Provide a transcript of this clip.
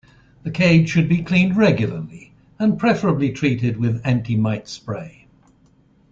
The cage should be cleaned regularly, and preferably treated with anti-mite spray.